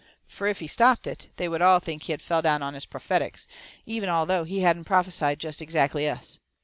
Fur, if he stopped it, they would all think he had fell down on his prophetics, even although he hadn't prophesied jest exactly us.